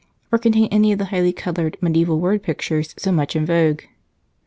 or contain any of the highly colored medieval word pictures so much in vogue.